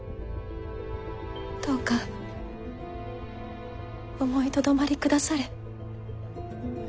どうか思いとどまりくだされ。